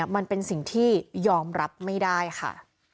มันเป็นสิ่งที่ยอมรับไม่ได้ค่ะ